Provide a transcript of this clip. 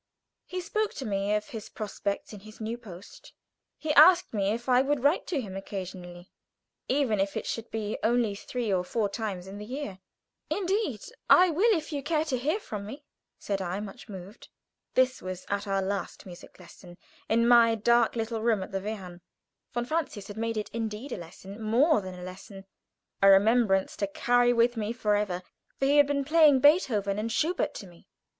He spoke to me of his prospects in his new post. He asked me if I would write to him occasionally, even if it should be only three or four times in the year. "Indeed I will, if you care to hear from me," said I, much moved. This was at our last music lesson, in my dark little room at the Wehrhahn. Von Francius had made it indeed a lesson, more than a lesson, a remembrance to carry with me forever, for he had been playing Beethoven and Schubert to me.